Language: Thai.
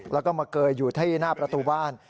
แล้วก็มาเกยอยู่ที่หน้าประตูบ้าน